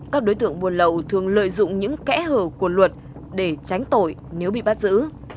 các đối tượng buôn lậu thường lợi dụng những kẽ hở của luật để tránh tội nếu bị bắt giữ